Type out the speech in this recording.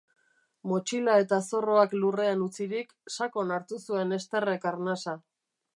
Motxila eta zorroak lurrean utzirik, sakon hartu zuen Estherrek arnasa.